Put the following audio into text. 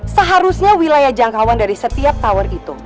seharusnya wilayah jangkauan dari setiap tower itu